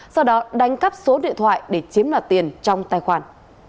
sau đó đánh cắp số điện thoại để chiếm đoạt tiền trong tài khoản